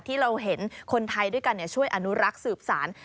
ที่เราเห็นคนไทยด้วยกันช่วยอนุรักษ์สืบสาร